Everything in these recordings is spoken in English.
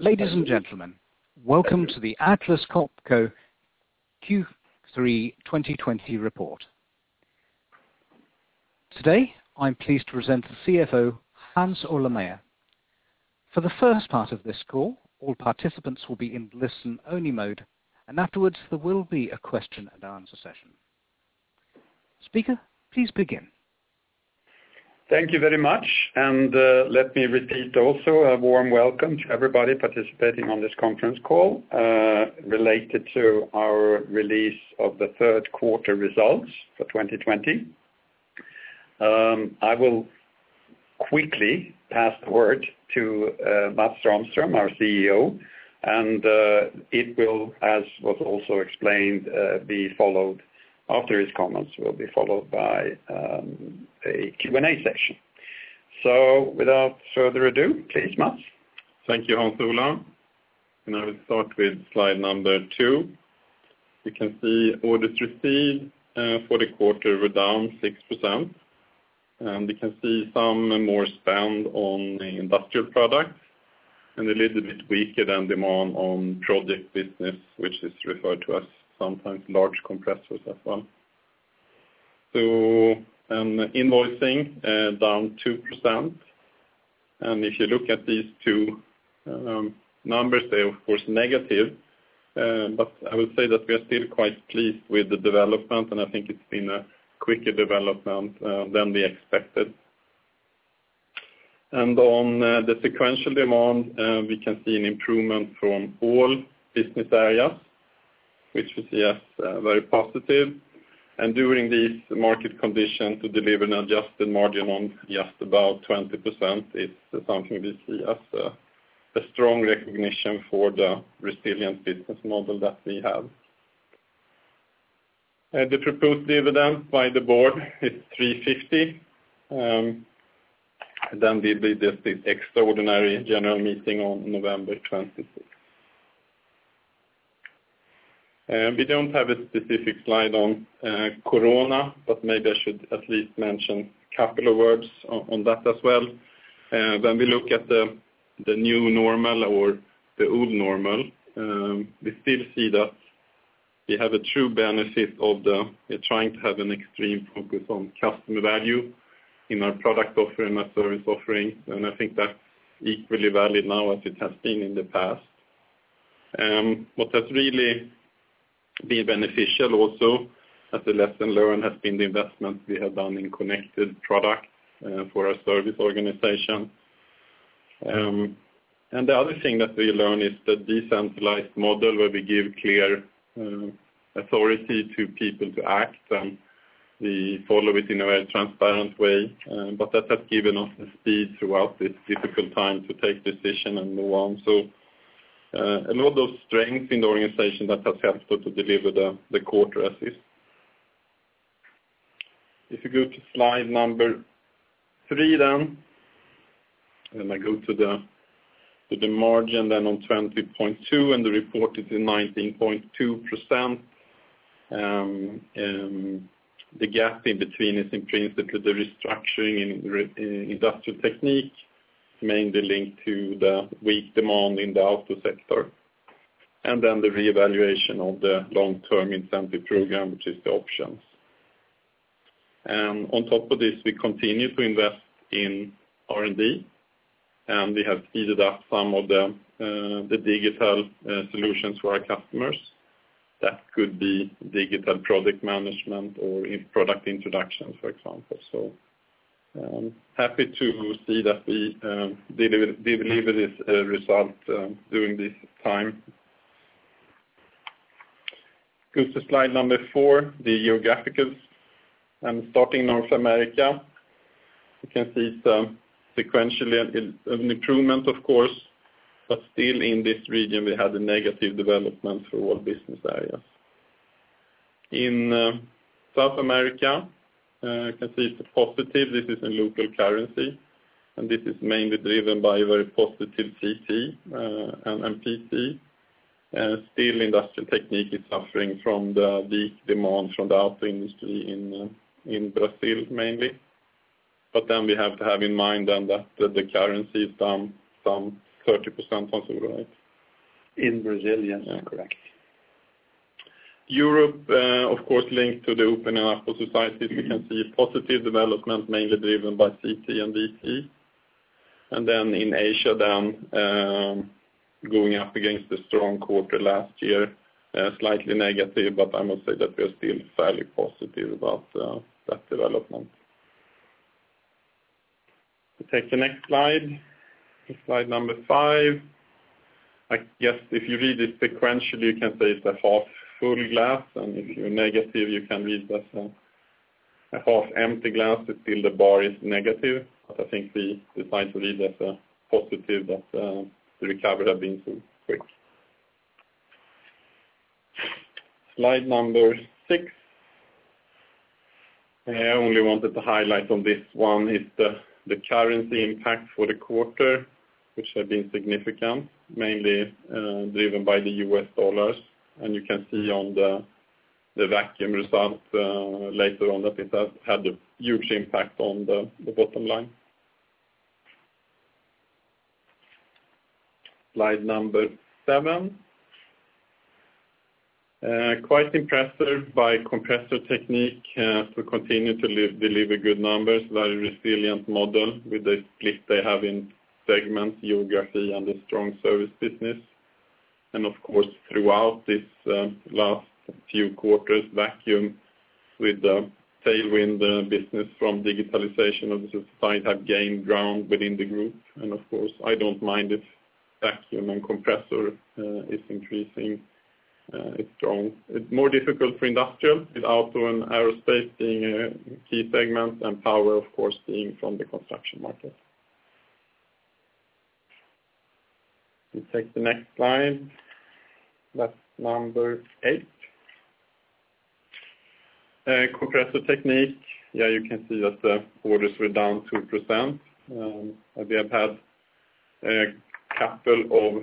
Ladies and gentlemen, welcome to the Atlas Copco Q3 2020 report. Today, I'm pleased to present the CFO, Hans Ola Meyer. For the first part of this call, all participants will be in listen-only mode, and afterwards there will be a question and answer session. Speaker, please begin. Thank you very much. Let me repeat also a warm welcome to everybody participating on this conference call related to our release of the third quarter results for 2020. I will quickly pass the word to Mats Rahmström, our CEO. It will, as was also explained, after his comments, will be followed by a Q&A session. Without further ado, please, Mats. Thank you, Hans Ola. I will start with slide number two. We can see orders received for the quarter were down 6%, and we can see some more spend on industrial products and a little bit weaker than demand on project business, which is referred to as sometimes large compressors as well. Invoicing down 2%. If you look at these two numbers, they're of course negative, but I would say that we are still quite pleased with the development, and I think it's been a quicker development than we expected. On the sequential demand, we can see an improvement from all business areas, which we see as very positive. During these market conditions to deliver an adjusted margin on just about 20% is something we see as a strong recognition for the resilient business model that we have. The proposed dividend by the board is 350. We did this extraordinary general meeting on November 26th. We don't have a specific slide on Corona, maybe I should at least mention a couple of words on that as well. When we look at the new normal or the old normal we still see that we have a true benefit of the trying to have an extreme focus on customer value in our product offering, our service offering, and I think that's equally valid now as it has been in the past. What has really been beneficial also as a lesson learned has been the investments we have done in connected products for our service organization. The other thing that we learn is the decentralized model where we give clear authority to people to act, and we follow it in a very transparent way, but that has given us the speed throughout this difficult time to take decision and move on. A lot of strength in the organization that has helped us to deliver the quarter as is. If you go to slide number three then. I go to the margin then on 20.2% and the report is in 19.2%. The gap in between is in principle the restructuring in Industrial Technique, mainly linked to the weak demand in the auto sector. The reevaluation of the long term incentive program, which is the options. On top of this, we continue to invest in R&D, and we have heated up some of the digital solutions for our customers. That could be digital product management or product introductions, for example. Happy to see that we believe it is a result during this time. Go to slide number four, the geographicals. Starting North America, you can see it's sequentially an improvement of course, but still in this region, we had a negative development for all business areas. In South America, you can see it's a positive. This is in local currency, and this is mainly driven by a very positive CT and PT. Still Industrial Technique is suffering from the weak demand from the auto industry in Brazil mainly. We have to have in mind then that the currency is down some 30% or so, right? In Brazil, yes. Correct. Europe, of course, linked to the opening up of societies, we can see positive development mainly driven by CT and VT. In Asia then, going up against the strong quarter last year, slightly negative, but I must say that we are still fairly positive about that development. Take the next slide number five. I guess if you read it sequentially, you can say it's a half full glass, and if you're negative, you can read that a half empty glass until the bar is negative. I think we decide to read that positive that the recovery have been so quick. Slide number six. I only wanted to highlight on this one is the currency impact for the quarter, which have been significant, mainly driven by the U.S. dollars. You can see on the Vacuum results later on, I think that had a huge impact on the bottom line. Slide number seven. Quite impressed by Compressor Technique as we continue to deliver good numbers, very resilient model with the split they have in segments, geography, and a strong service business. Of course, throughout these last few quarters, Vacuum, with the tailwind business from digitalization of the site, have gained ground within the group. Of course, I don't mind if Vacuum and Compressor is increasing, it's strong. It's more difficult for Industrial, with Auto and Aerospace being key segments, and Power, of course, being from the construction market. We take the next slide. That's number eight. Compressor Technique, you can see that the orders were down 2%. We have had a couple of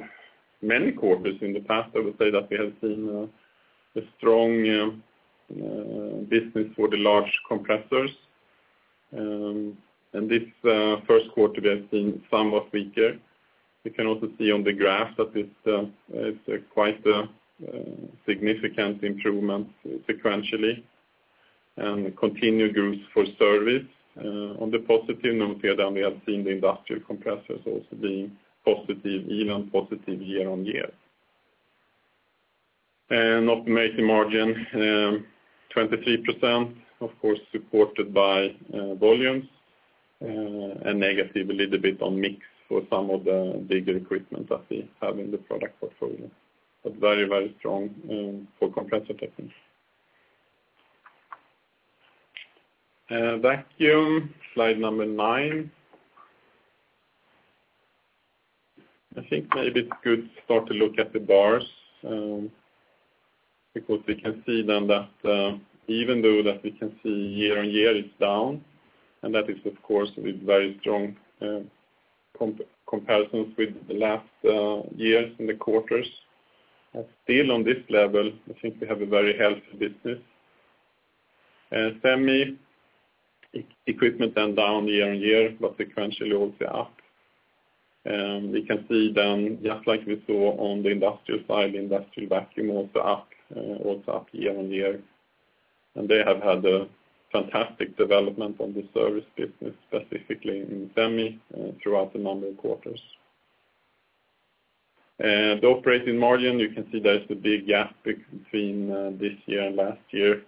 many quarters in the past, I would say that we have seen a strong business for the large compressors. This first quarter, we have seen somewhat weaker. We can also see on the graph that it's quite a significant improvement sequentially, and continued growth for service. On the positive note here, we have seen the industrial compressors also being even positive year-over-year. Operating margin, 23%, of course, supported by volumes, and negative a little bit on mix for some of the bigger equipment that we have in the product portfolio. Very strong for Compressor Technique. Vacuum, slide number nine. I think maybe it's good start to look at the bars, because we can see then that even though that we can see year-on-year it's down, and that is of course with very strong comparisons with the last years and the quarters. Still, on this level, I think we have a very healthy business. Semi equipment down year-on-year, but sequentially also up. We can see, just like we saw on the industrial side, industrial vacuum also up year-on-year. They have had a fantastic development on the service business, specifically in Semi, throughout a number of quarters. The operating margin, you can see there's a big gap between this year and last year.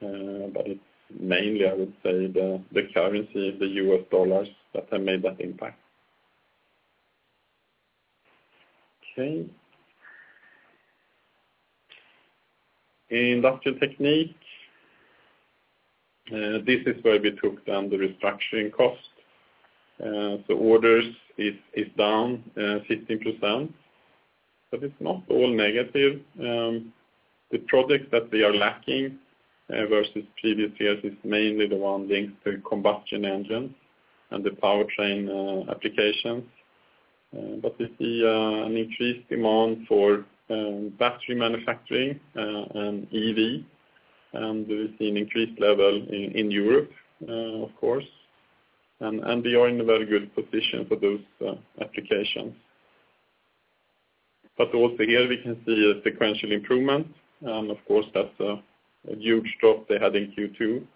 It's mainly, I would say, the currency of the U.S. dollars that have made that impact. Okay. Industrial Technique. This is where we took down the restructuring cost. The orders is down 16%. It's not all negative. The projects that they are lacking versus previous years is mainly the one linked to combustion engine and the powertrain applications. We see an increased demand for battery manufacturing, and EV. We see an increased level in Europe, of course. We are in a very good position for those applications. Also here we can see a sequential improvement. Of course, that's a huge drop they had in Q2,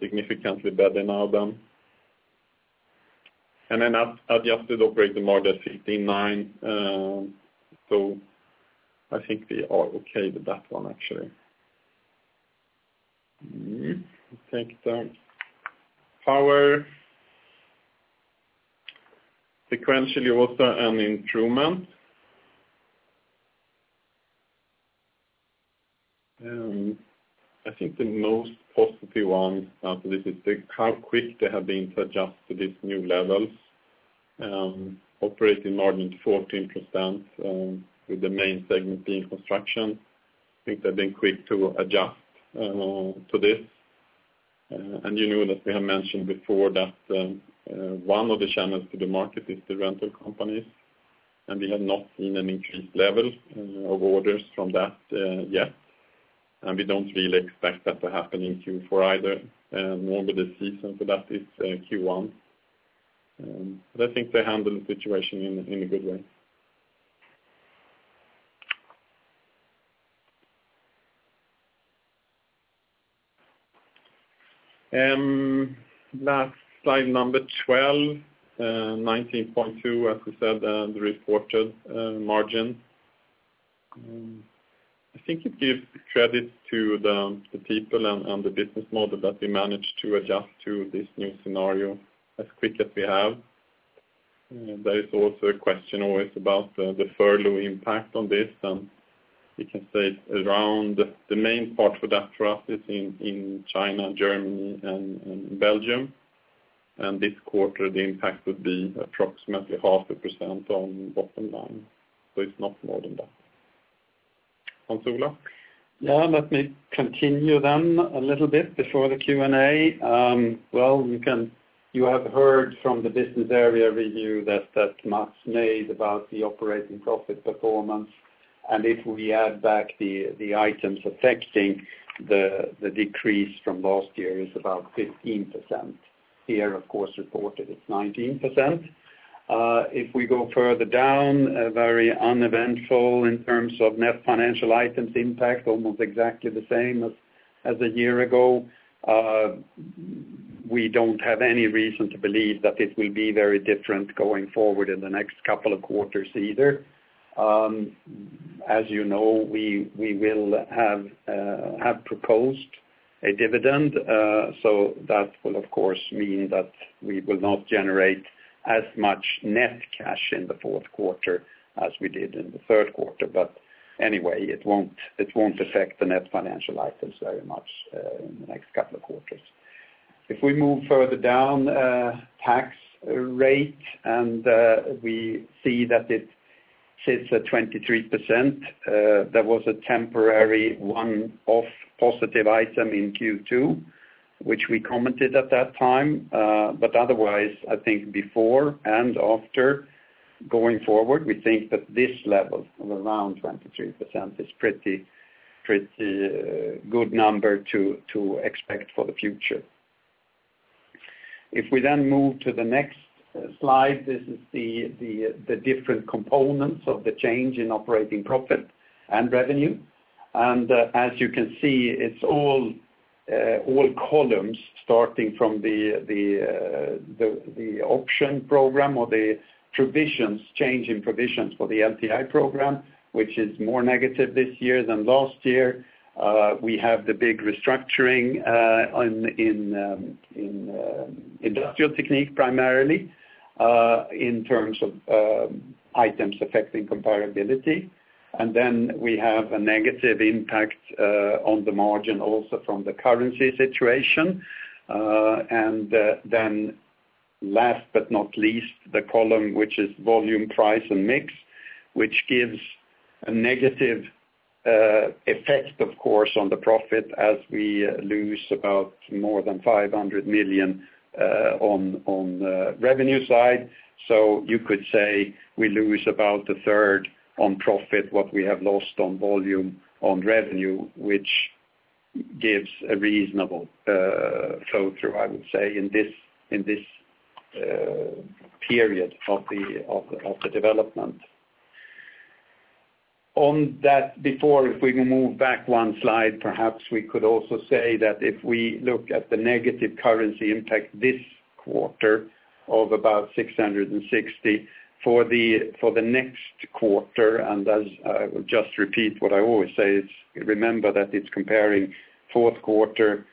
significantly better now. Adjusted operating margin 15.9%. I think we are okay with that one, actually. Take the Power. Sequentially also an improvement. I think the most positive one out of this is how quick they have been to adjust to these new levels. Operating margin 14%, with the main segment being construction. I think they've been quick to adjust to this. You know that we have mentioned before that one of the channels to the market is the rental companies, and we have not seen an increased level of orders from that yet. We don't really expect that to happen in Q4 either. More with the season for that is Q1. I think they handle the situation in a good way. Last slide, number 12. 19.2%, as we said, the reported margin. I think it gives credit to the people and the business model that we managed to adjust to this new scenario as quick as we have. There is also a question always about the furlough impact on this, and we can say it's around the main part for that for us is in China, Germany, and Belgium. This quarter, the impact would be approximately half a percent on bottom line, so it's not more than that. Hans Ola? Let me continue a little bit before the Q&A. Well, you have heard from the business area review that Mats made about the operating profit performance, if we add back the items affecting the decrease from last year is about 15%. Here, of course, reported it's 19%. We go further down, very uneventful in terms of net financial items impact, almost exactly the same as a year ago. We don't have any reason to believe that it will be very different going forward in the next couple of quarters either. As you know, we have proposed a dividend, that will, of course, mean that we will not generate as much net cash in the fourth quarter as we did in the third quarter. Anyway, it won't affect the net financial items very much in the next couple of quarters. If we move further down, tax rate, we see that it sits at 23%. There was a temporary one-off positive item in Q2, which we commented at that time. Otherwise, I think before and after going forward, we think that this level of around 23% is pretty good number to expect for the future. If we then move to the next slide, this is the different components of the change in operating profit and revenue. As you can see, it's all columns starting from the option program or the change in provisions for the LTI program, which is more negative this year than last year. We have the big restructuring in Industrial Technique, primarily, in terms of items affecting comparability. Then we have a negative impact on the margin also from the currency situation. Then last but not least, the column, which is volume, price, and mix, which gives a negative effect, of course, on the profit as we lose about more than 500 million on the revenue side. You could say we lose about a third on profit, what we have lost on volume on revenue, which gives a reasonable flow-through, I would say, in this period of the development. On that, before, if we move back one slide, perhaps we could also say that if we look at the negative currency impact this quarter of about 660 for the next quarter, as I will just repeat what I always say is, remember that it's comparing third quarter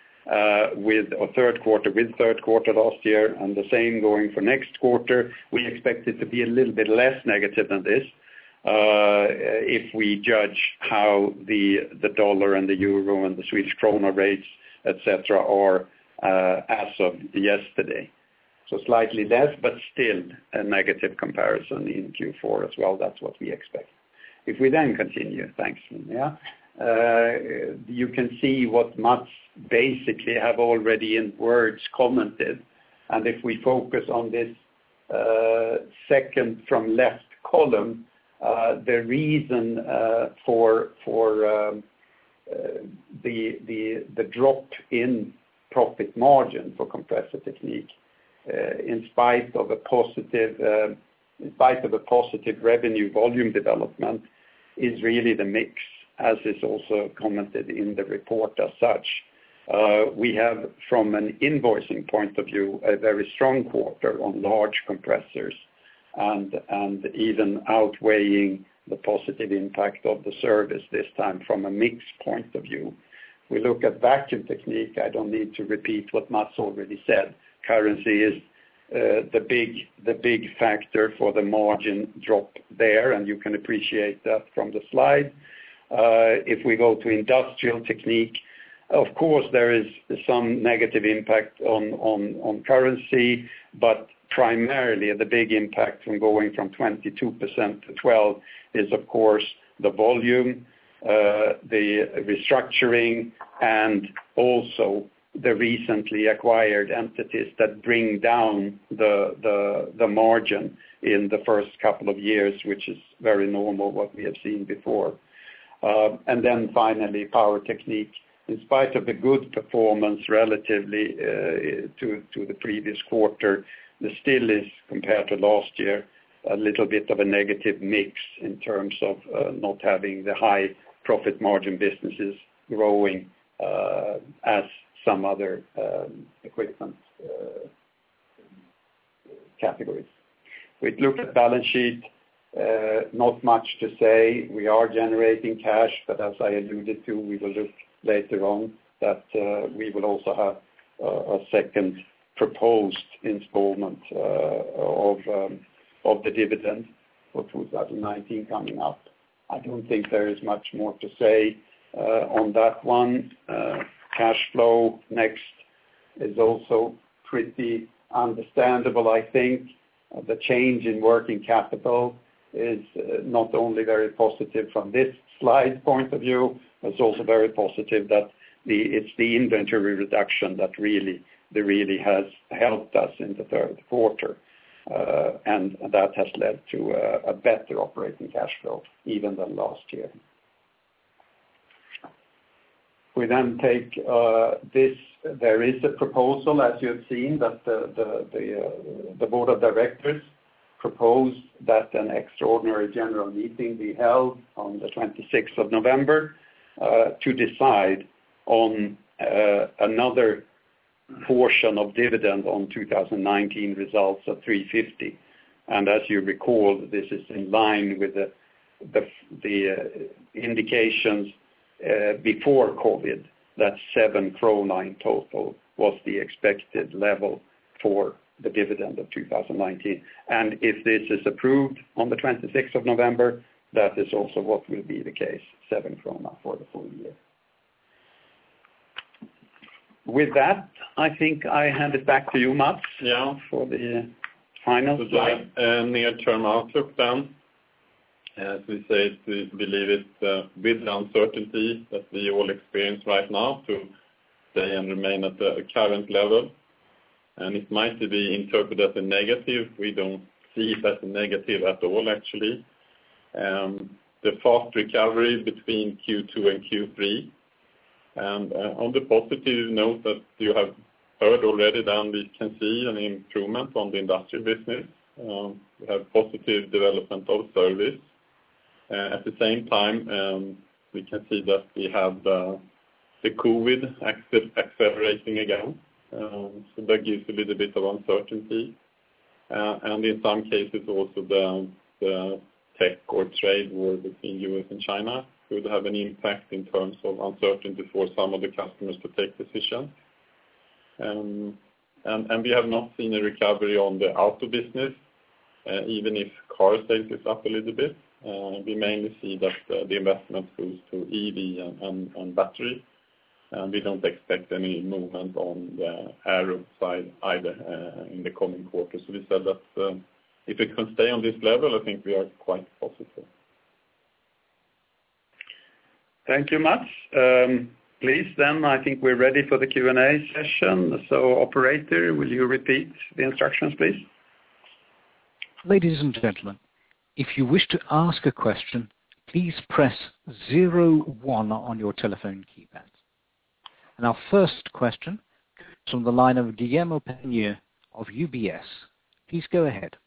with third quarter last year and the same going for next quarter. We expect it to be a little bit less negative than this, if we judge how the U.S. dollar and the EUR and the Swedish krona rates, et cetera, are as of yesterday. Slightly less, but still a negative comparison in Q4 as well. That's what we expect. If we continue. Thanks, Mia. You can see what Mats basically have already in words commented, if we focus on this second from left column, the reason for the drop in profit margin for Compressor Technique, in spite of a positive revenue volume development, is really the mix, as is also commented in the report as such. We have, from an invoicing point of view, a very strong quarter on large compressors, even outweighing the positive impact of the service this time from a mix point of view. We look at Vacuum Technique, I don't need to repeat what Mats already said. Currency is the big factor for the margin drop there, and you can appreciate that from the slide. If we go to Industrial Technique, of course, there is some negative impact on currency, but primarily the big impact from going from 22% to 12% is, of course, the volume, the restructuring, and also the recently acquired entities that bring down the margin in the first couple of years, which is very normal, what we have seen before. Finally, Power Technique. In spite of the good performance relatively to the previous quarter, there still is, compared to last year, a little bit of a negative mix in terms of not having the high profit margin businesses growing as some other equipment categories. We look at balance sheet. Not much to say. We are generating cash, but as I alluded to, we will look later on that we will also have a second proposed installment of the dividend for 2019 coming up. I don't think there is much more to say on that one. Cash flow, next, is also pretty understandable, I think. The change in working capital is not only very positive from this slide point of view, it is also very positive that it is the inventory reduction that really has helped us in the third quarter. That has led to a better operating cash flow even than last year. We take this. There is a proposal, as you have seen, that the board of directors propose that an extraordinary general meeting be held on the 26th of November, to decide on another portion of dividend on 2019 results of 350. As you recall, this is in line with the indications before COVID, that 7 in total was the expected level for the dividend of 2019. If this is approved on the 26th of November, that is also what will be the case, 7 for the full year. With that, I think I hand it back to you, Mats. Yeah. For the final slide. The near-term outlook, as we say, we believe it's with the uncertainty that we all experience right now to stay and remain at the current level, and it might be interpreted as a negative. We don't see it as a negative at all, actually. The fast recovery between Q2 and Q3, on the positive note that you have heard already, then we can see an improvement on the industrial business. We have positive development of service. At the same time, we can see that we have the COVID accelerating again. That gives a little bit of uncertainty. In some cases, also the tech or trade war between U.S. and China could have an impact in terms of uncertainty for some of the customers to take decisions. We have not seen a recovery on the auto business, even if car sales is up a little bit. We mainly see that the investment goes to EV and battery, and we don't expect any movement on the aero side either, in the coming quarters. We said that if we can stay on this level, I think we are quite positive. Thank you, Mats. Please, then I think we're ready for the Q&A session. Operator, will you repeat the instructions, please? Ladies and gentlemen, if you wish to ask a question, please press zero one on your telephone keypad. Our first question comes from the line of Guillermo Peigneux of UBS. Please go ahead.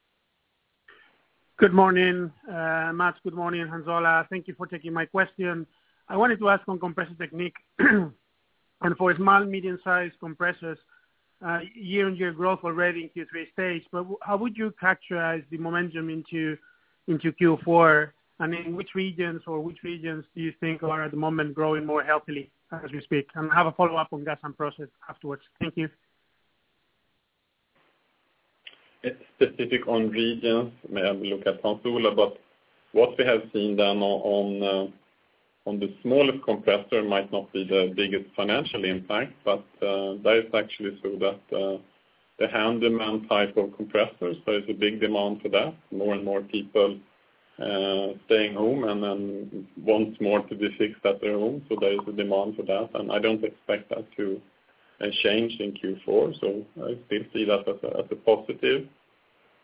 Good morning, Mats. Good morning, Hans Ola. Thank you for taking my question. I wanted to ask on Compressor Technique. For small, medium-sized compressors, year-on-year growth already in Q3 stage, but how would you characterize the momentum into Q4, and in which regions, or which regions do you think are at the moment growing more healthily as we speak? I have a follow-up on Gas and Process afterwards. Thank you. It's specific on regions. Maybe I'll look at Hans Ola. What we have seen then on the smallest compressor might not be the biggest financial impact, but that is actually so that the handyman type of compressors, there is a big demand for that. More and more people staying home and then want more to be fixed at their home. There is a demand for that, and I don't expect that to change in Q4. I still see that as a positive.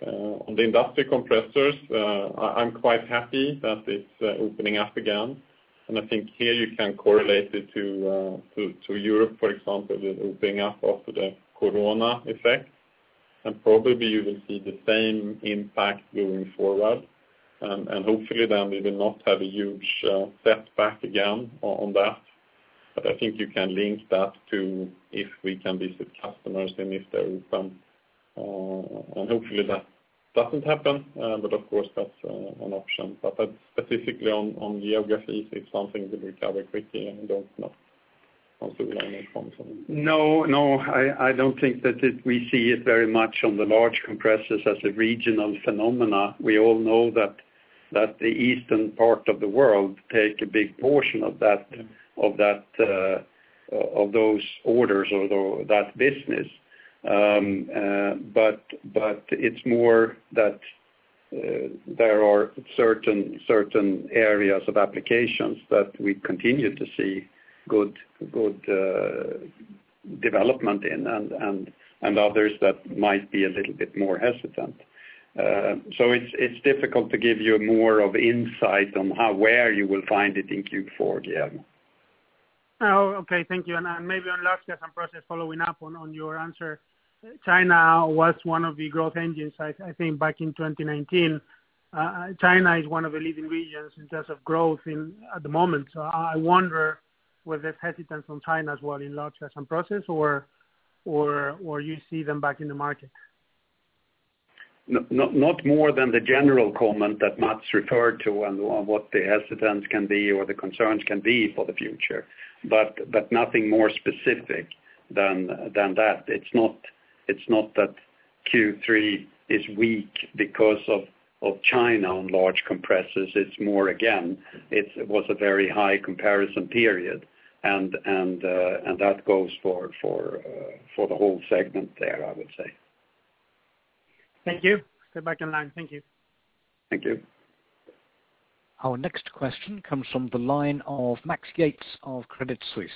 On the industrial compressors, I'm quite happy that it's opening up again, and I think here you can correlate it to Europe, for example, it opening up after the Corona effect, and probably you will see the same impact moving forward. Hopefully then we will not have a huge setback again on that. I think you can link that to if we can visit customers, then hopefully that doesn't happen, but of course that's an option. That's specifically on geographies. It's something that recover quickly and don't know. Hans Ola, any comments on that? No, I don't think that we see it very much on the large compressors as a regional phenomena. We all know that the eastern part of the world take a big portion of those orders or that business. It's more that there are certain areas of applications that we continue to see good development in and others that might be a little bit more hesitant. It's difficult to give you more of insight on where you will find it in Q4, Guillermo. Oh, okay. Thank you. Maybe on Large Gas and Process, following up on your answer, China was one of the growth engines, I think, back in 2019. China is one of the leading regions in terms of growth at the moment. I wonder was there hesitance on China as well in Large Gas and Process, or you see them back in the market? Not more than the general comment that Mats referred to on what the hesitance can be, or the concerns can be for the future. Nothing more specific than that. It's not that Q3 is weak because of China on large compressors. It's more, again, it was a very high comparison period, and that goes for the whole segment there, I would say. Thank you. Stay back in line. Thank you. Thank you. Our next question comes from the line of Max Yates of Credit Suisse.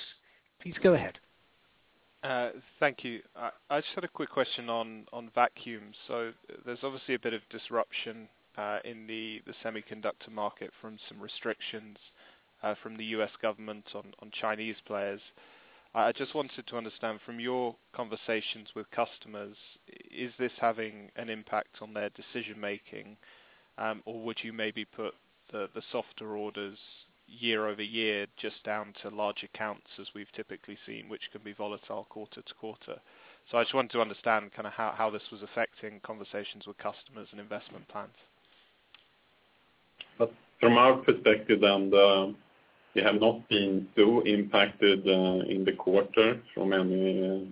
Please go ahead. Thank you. I just had a quick question on vacuums. There's obviously a bit of disruption in the semiconductor market from some restrictions from the U.S. government on Chinese players. I just wanted to understand from your conversations with customers, is this having an impact on their decision-making? Or would you maybe put the softer orders year-over-year just down to large accounts as we've typically seen, which can be volatile quarter-to-quarter. I just wanted to understand how this was affecting conversations with customers and investment plans. From our perspective, we have not been too impacted in the quarter from any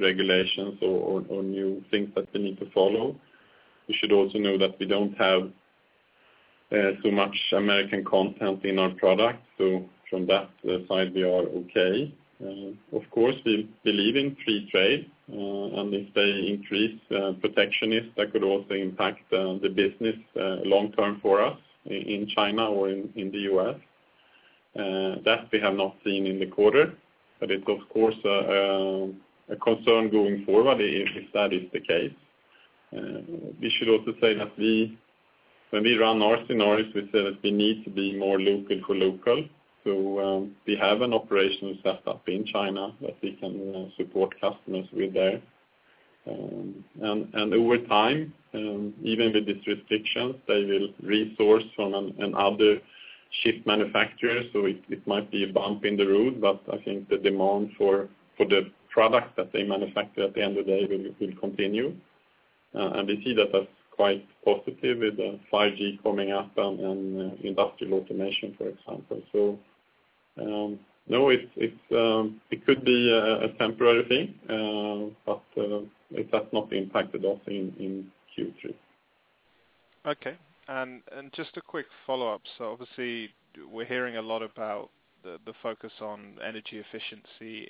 regulations or new things that we need to follow. You should also know that we don't have so much U.S. content in our product. From that side, we are okay. Of course, we believe in free trade, and if they increase protectionist, that could also impact the business long-term for us in China or in the U.S. That we have not seen in the quarter. It's of course, a concern going forward, if that is the case. We should also say that when we run Atlas Copco, we say that we need to be more local for local. We have an operation set up in China that we can support customers with there. Over time, even with this restriction, they will resource from another chip manufacturer, so it might be a bump in the road, but I think the demand for the product that they manufacture at the end of the day will continue. We see that as quite positive with 5G coming up and industrial automation, for example. It could be a temporary thing, but it has not impacted us in Q3. Okay. Just a quick follow-up. Obviously we're hearing a lot about the focus on energy efficiency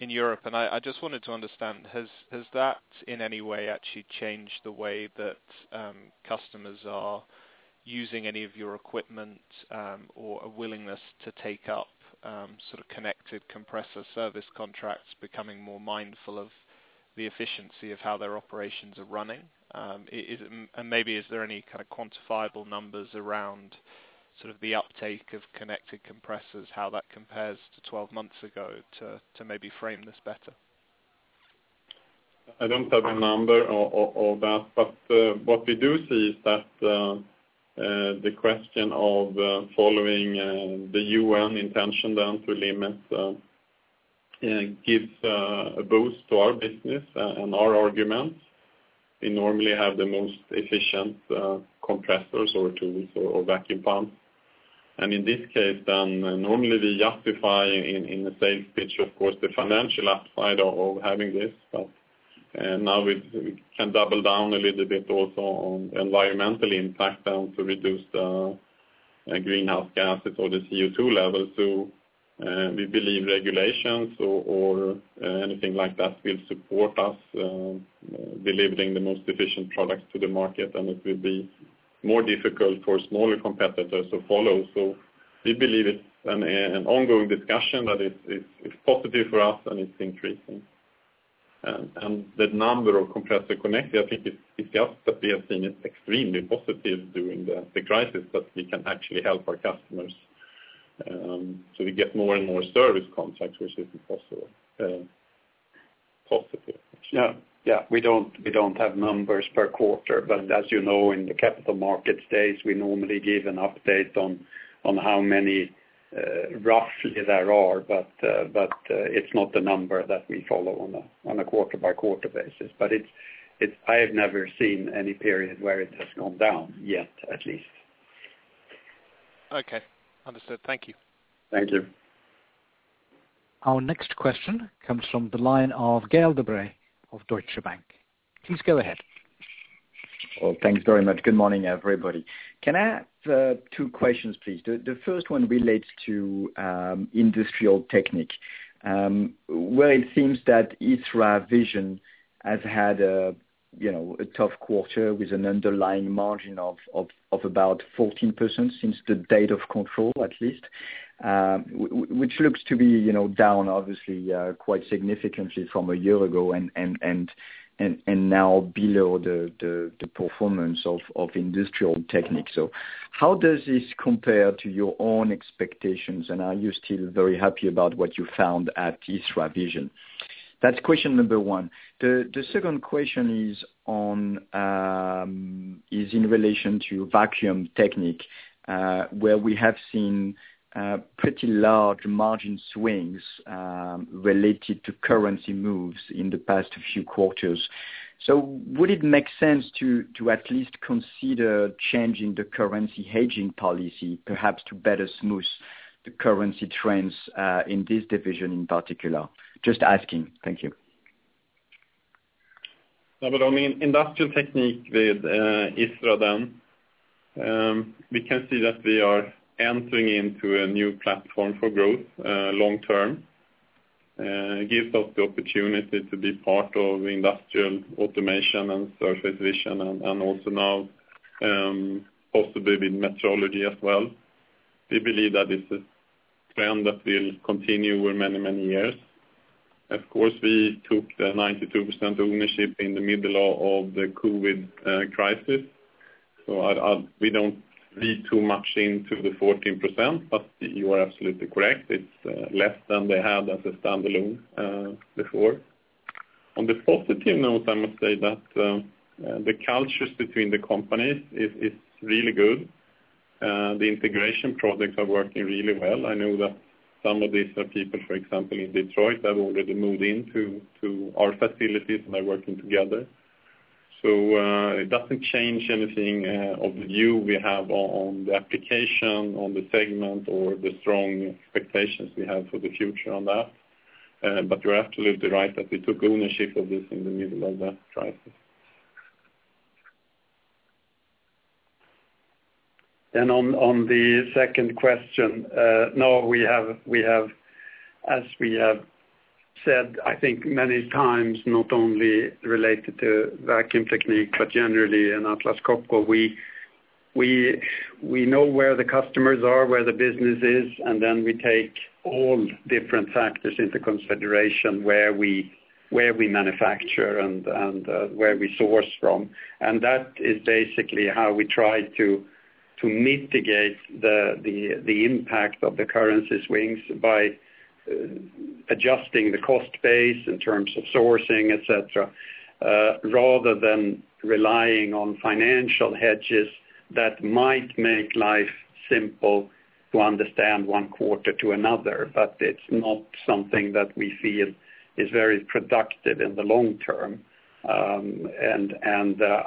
in Europe, and I just wanted to understand, has that in any way actually changed the way that customers are using any of your equipment or a willingness to take up connected compressor service contracts, becoming more mindful of the efficiency of how their operations are running? Maybe is there any kind of quantifiable numbers around the uptake of connected compressors, how that compares to 12 months ago to maybe frame this better? I don't have a number of that, but what we do see is that the question of following the UN intention then to limit gives a boost to our business and our arguments. We normally have the most efficient compressors or tools or vacuum pumps. In this case, normally we justify in the same pitch, of course, the financial upside of having this, but now we can double down a little bit also on environmental impact and to reduce the greenhouse gases or the CO2 levels. We believe regulations or anything like that will support us delivering the most efficient products to the market, and it will be more difficult for smaller competitors to follow. We believe it's an ongoing discussion, that it's positive for us, and it's increasing. The number of compressor connected, I think it's just that we have seen it extremely positive during the crisis that we can actually help our customers. We get more and more service contracts, which is possible. Yeah. We don't have numbers per quarter, but as you know, in the capital market stage, we normally give an update on how many, roughly there are. It's not the number that we follow on a quarter-by-quarter basis. I have never seen any period where it has gone down yet, at least. Okay. Understood. Thank you. Thank you. Our next question comes from the line of Gael de Bray of Deutsche Bank. Please go ahead. Thanks very much. Good morning, everybody. Can I ask two questions, please? The first one relates to Industrial Technique, where it seems that ISRA VISION has had a tough quarter with an underlying margin of about 14% since the date of control, at least. Which looks to be down obviously quite significantly from a year ago and now below the performance of Industrial Technique. How does this compare to your own expectations, and are you still very happy about what you found at ISRA VISION? That's question number one. The second question is in relation to Vacuum Technique, where we have seen pretty large margin swings related to currency moves in the past few quarters. Would it make sense to at least consider changing the currency hedging policy, perhaps to better smooth the currency trends, in this division in particular? Just asking. Thank you. On the Industrial Technique with ISRA, we can see that we are entering into a new platform for growth long-term. It gives us the opportunity to be part of industrial automation and Surface Vision, and also now, possibly with metrology as well. We believe that it's a trend that will continue for many years. Of course, we took the 92% ownership in the middle of the COVID crisis. We don't read too much into the 14%, but you are absolutely correct, it's less than they had as a standalone before. On the positive note, I must say that the cultures between the companies is really good. The integration projects are working really well. I know that some of these are people, for example, in Detroit, have already moved into our facilities, and are working together. It doesn't change anything of the view we have on the application, on the segment, or the strong expectations we have for the future on that. You're absolutely right that we took ownership of this in the middle of the crisis. On the second question, no, as we have said, I think many times, not only related to Vacuum Technique, but generally in Atlas Copco, we know where the customers are, where the business is, and we take all different factors into consideration where we manufacture and where we source from. That is basically how we try to mitigate the impact of the currency swings by adjusting the cost base in terms of sourcing, et cetera, rather than relying on financial hedges that might make life simple to understand one quarter to another. It is not something that we feel is very productive in the long term.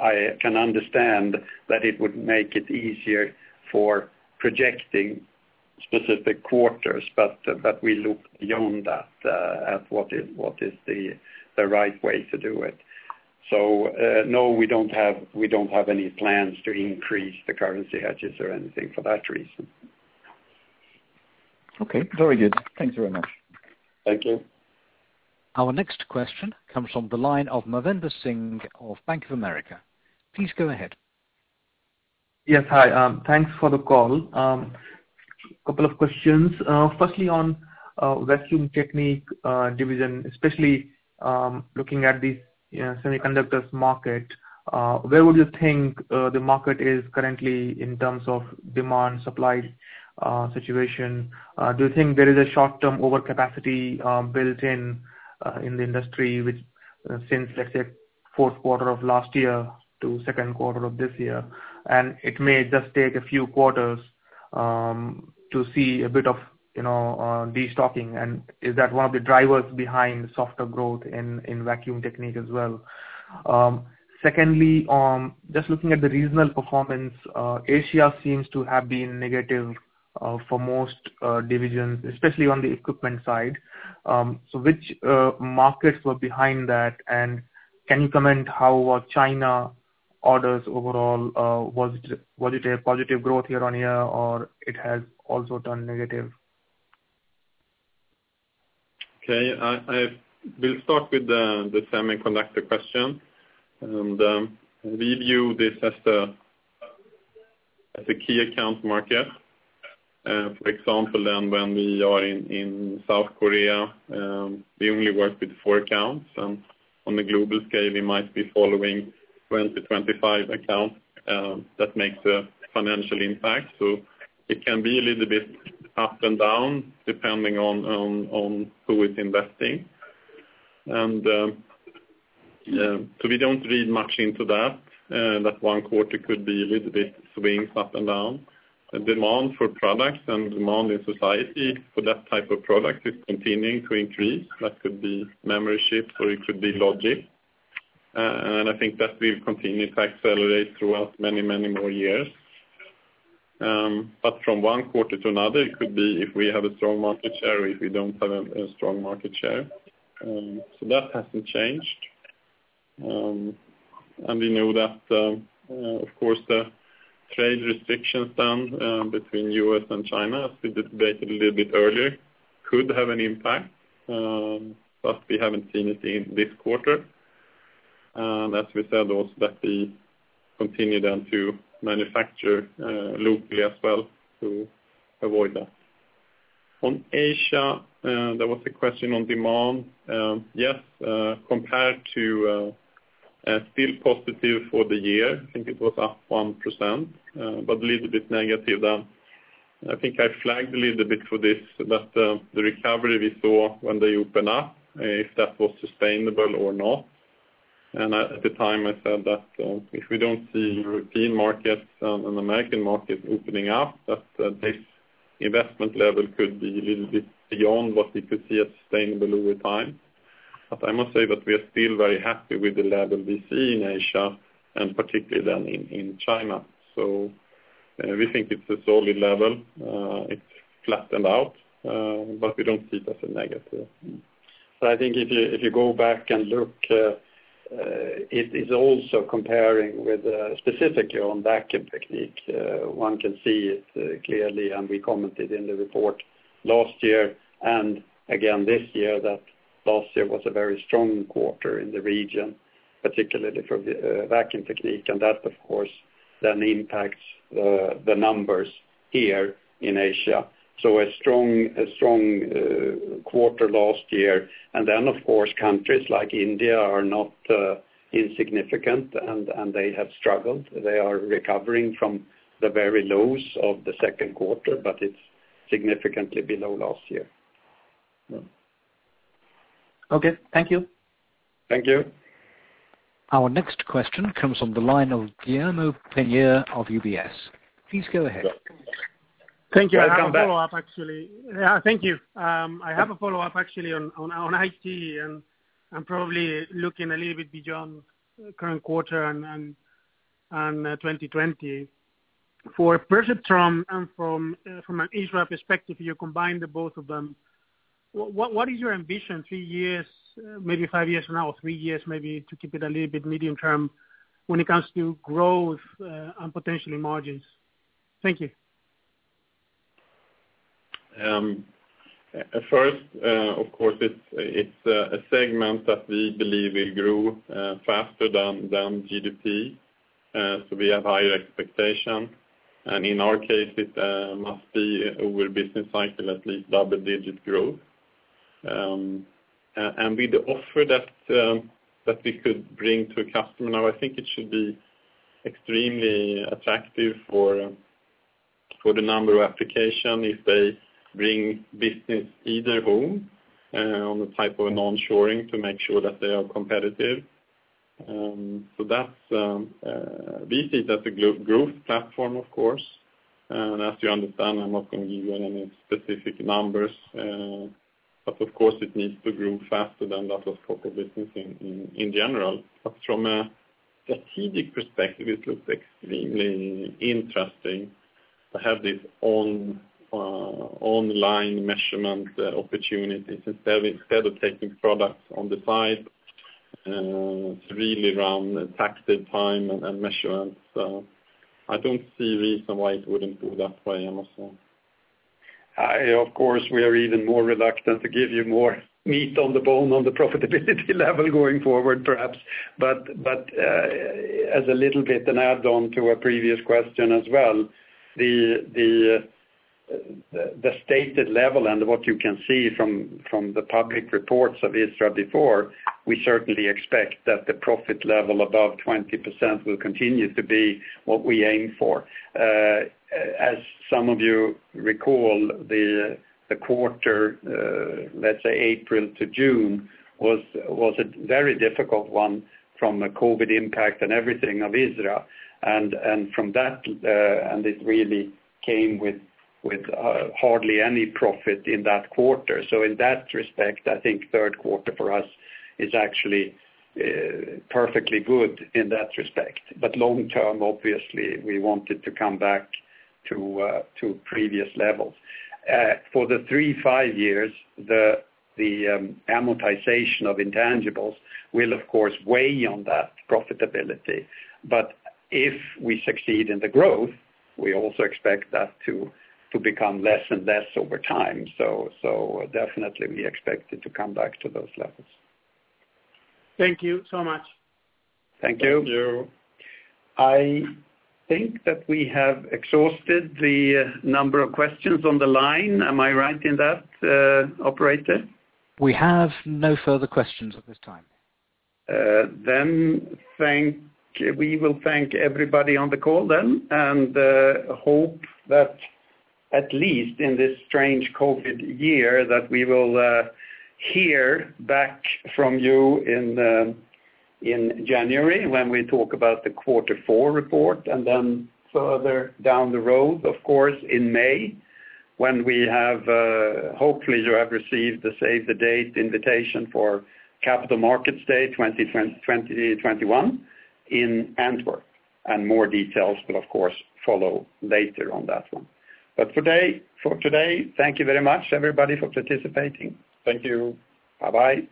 I can understand that it would make it easier for projecting specific quarters, but we look beyond that, at what is the right way to do it. No, we don't have any plans to increase the currency hedges or anything for that reason. Okay. Very good. Thanks very much. Thank you. Our next question comes from the line of Manvinder Singh of Bank of America. Please go ahead. Yes. Hi, thanks for the call. Couple of questions. Firstly, on Vacuum Technique division, especially, looking at the semiconductor market, where would you think the market is currently in terms of demand, supply situation? Do you think there is a short-term overcapacity built in the industry, which since, let's say, fourth quarter of last year to second quarter of this year, and it may just take a few quarters to see a bit of de-stocking, and is that one of the drivers behind softer growth in Vacuum Technique as well? Secondly, just looking at the regional performance, Asia seems to have been negative for most divisions, especially on the equipment side. Which markets were behind that? Can you comment how were China orders overall? Was it a positive growth year-on-year or it has also turned negative? Okay. We'll start with the semiconductor question. We view this as a key account market. For example, when we are in South Korea, we only work with four accounts, on a global scale, we might be following 20, 25 accounts that makes a financial impact. It can be a little bit up and down depending on who is investing. We don't read much into that one quarter could be a little bit swings up and down. The demand for products and demand in society for that type of product is continuing to increase. That could be memory chips, or it could be logic. I think that will continue to accelerate throughout many more years. From one quarter to another, it could be if we have a strong market share, or if we don't have a strong market share. That hasn't changed. We know that, of course, the trade restrictions then between U.S. and China, as we debated a little bit earlier, could have an impact. We haven't seen it in this quarter. As we said, also that we continue then to manufacture locally as well to avoid that. On Asia, there was a question on demand. Yes, compared to still positive for the year, I think it was up 1%, but a little bit negative then. I think I flagged a little bit for this, that the recovery we saw when they open up, if that was sustainable or not. At the time, I said that if we don't see European markets and American markets opening up, that this investment level could be a little bit beyond what we could see as sustainable over time. I must say that we are still very happy with the level we see in Asia and particularly then in China. We think it's a solid level. It flattened out, but we don't see it as a negative. It is also comparing with, specifically on Vacuum Technique. One can see it clearly, and we commented in the report last year and again this year, that last year was a very strong quarter in the region, particularly for the Vacuum Technique. That, of course, then impacts the numbers here in Asia. A strong quarter last year. Then, of course, countries like India are not insignificant, and they have struggled. They are recovering from the very lows of the second quarter, but it's significantly below last year. Okay. Thank you. Thank you. Our next question comes from the line of Guillermo Peigneux of UBS. Please go ahead. Welcome back. Thank you. I have a follow-up actually on IT, and probably looking a little bit beyond current quarter and 2020. For Perceptron and from an ISRA perspective, you combined the both of them. What is your ambition three years, maybe five years from now, or three years maybe, to keep it a little bit medium term when it comes to growth and potentially margins? Thank you. Of course, it's a segment that we believe will grow faster than GDP. We have higher expectations. In our case, it must be over a business cycle, at least double-digit growth. With the offer that we could bring to a customer now, I think it should be extremely attractive for the number of application if they bring business either home on the type of on-shoring to make sure that they are competitive. We see it as a growth platform, of course. As you understand, I'm not going to give you any specific numbers. Of course, it needs to grow faster than that of proper business in general. From a strategic perspective, it looks extremely interesting to have this online measurement opportunity instead of taking products on the side to really run active time and measurement. I don't see a reason why it wouldn't go that way, I must say. Of course, we are even more reluctant to give you more meat on the bone on the profitability level going forward, perhaps. As a little bit an add-on to a previous question as well, the stated level and what you can see from the public reports of ISRA before, we certainly expect that the profit level above 20% will continue to be what we aim for. As some of you recall, the quarter, let's say April to June, was a very difficult one from a COVID impact and everything of ISRA, and it really came with hardly any profit in that quarter. In that respect, I think third quarter for us is actually perfectly good in that respect. Long-term, obviously, we want it to come back to previous levels. For the three, five years, the amortization of intangibles will, of course, weigh on that profitability. If we succeed in the growth, we also expect that to become less and less over time. Definitely we expect it to come back to those levels. Thank you so much. Thank you. Thank you. I think that we have exhausted the number of questions on the line. Am I right in that, operator? We have no further questions at this time. We will thank everybody on the call then, and hope that at least in this strange COVID year, that we will hear back from you in January when we talk about the quarter four report. Further down the road, of course, in May, hopefully you have received the save-the-date invitation for Capital Markets Day 2021 in Antwerp. More details will, of course, follow later on that one. For today, thank you very much, everybody, for participating. Thank you. Bye-bye.